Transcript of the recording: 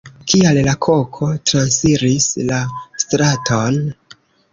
Kial la koko transiris la straton?